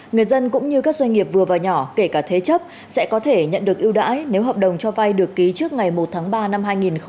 người dân cũng như các doanh nghiệp vừa và nhỏ kể cả thế chấp sẽ có thể nhận được ưu đãi nếu hợp đồng cho vay được ký trước ngày một tháng ba năm hai nghìn hai mươi